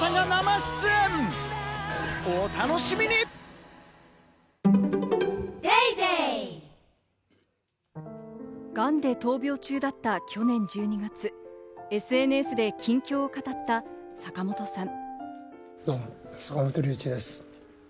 新「グリーンズフリー」がんで闘病中だった去年１２月、ＳＮＳで近況を語った坂本さん。